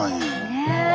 ねえ。